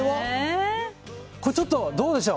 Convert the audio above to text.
これちょっと、どうでしょう。